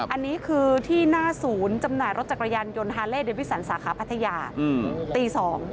อันนี้คือที่หน้าศูนย์จำหน่ายรถจักรยานยนต์ฮาเล่เดวิสันสาขาพัทยาตี๒